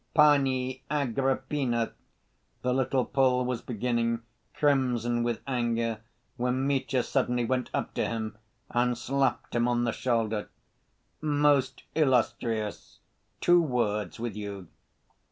"Pani Agrippina," the little Pole was beginning, crimson with anger, when Mitya suddenly went up to him and slapped him on the shoulder. "Most illustrious, two words with you."